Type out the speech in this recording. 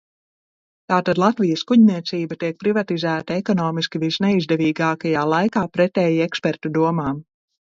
"Tātad "Latvijas kuģniecība" tiek privatizēta ekonomiski visneizdevīgākajā laikā, pretēji ekspertu domām."